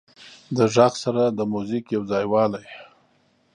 د غږ سره د موزیک یو ځایوالی